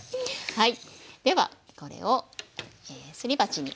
はい。